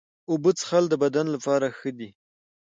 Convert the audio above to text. اوبه څښل د بدن لپاره ښه دي.